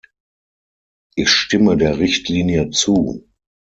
Ich stimme der Richtlinie zu.